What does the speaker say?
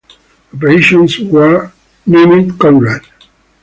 The operations were named Konrad.